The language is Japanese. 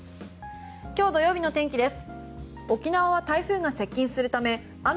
明日日曜日の天気です。